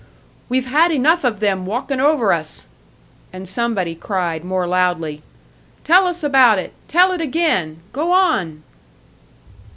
"We've had enough of them walking over us!" And somebody cried, more loudly, "Tell us about it! Tell it again! Go on!"